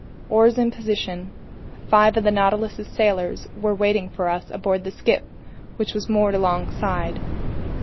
Oars in position, five of the Nautilus's sailors were waiting for us aboard the skiff, which was moored alongside.